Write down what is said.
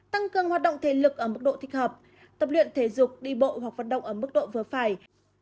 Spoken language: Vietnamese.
tăng cường hoạt động thể lực ở mức độ thích hợp tập luyện thể dục đi bộ hoặc vận động ở mức độ vừa phải